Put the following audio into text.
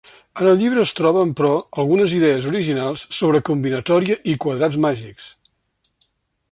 En el llibre es troben, però, algunes idees originals sobre combinatòria i quadrats màgics.